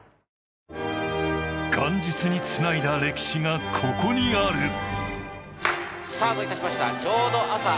元日につないだ歴史がここにある。